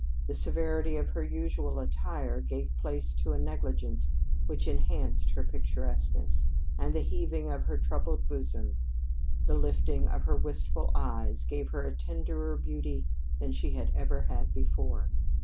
The severity of her usual attire gave place to a negligence which enhanced her picturesqueness, and the heaving of her troubled bosom, the lifting of her wistful eyes gave her a tenderer beauty than she ever had had before.